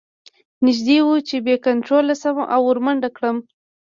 نږدې وه چې بې کنتروله شم او ور منډه کړم